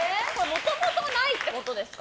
もともとないってことですか？